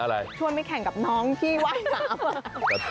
อะไรชวนไปแข่งกับน้องที่ว่าสาม